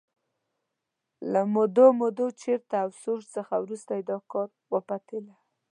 له مودو مودو چرت او سوچ څخه وروسته یې دا کار وپتېله.